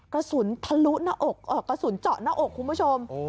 กระสุนทะลุหน้าอกกระสุนเจาะหน้าอกคุณผู้ชม